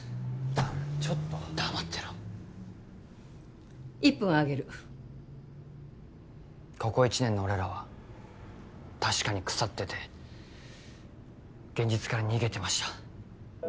弾ちょっと黙ってろ１分あげるここ一年の俺らは確かに腐ってて現実から逃げてました